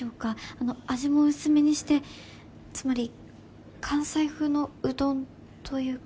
あの味も薄めにしてつまり関西風のうどんというか。